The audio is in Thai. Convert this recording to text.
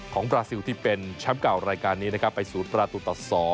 บราซิลที่เป็นแชมป์เก่ารายการนี้นะครับไป๐ประตูต่อ๒